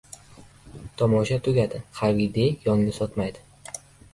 Tomosha tugadi! Xavi De Yongni sotmaydi